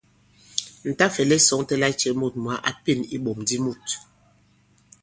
Ǹ ta-fɛ̀lɛ sɔ̄ŋtɛ lacɛ̄ mût mwǎ a pěn iɓɔ̀m di mût!